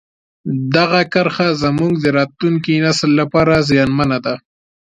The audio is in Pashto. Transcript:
دغه کرښه زموږ د راتلونکي نسل لپاره زیانمنه ده.